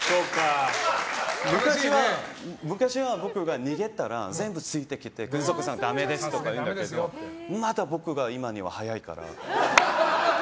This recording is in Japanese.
昔は僕が逃げたら全部ついてきてグンソクさんダメですとか言うんだけど今は僕のほうが速いから。